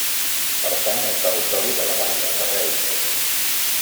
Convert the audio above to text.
Pertany al territori de la vall de Carreu.